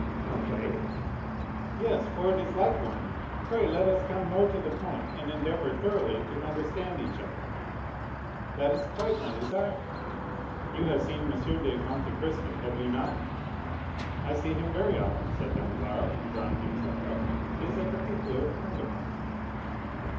"A play?" "Yes, for it is like one; pray let us come more to the point, and endeavor thoroughly to understand each other." "That is quite my desire." "You have seen M. de Monte Cristo have you not?" "I see him very often," said Danglars, drawing himself up; "he is a particular friend of mine."